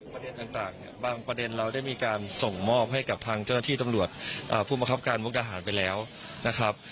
ประเด็นต่างเนี่ยบางประเด็นเราได้มีการส่งมอบให้กับทางเจ้าหน้าที่ตำรวจผู้บังคับการมุกดาหารไปแล้วนะครับ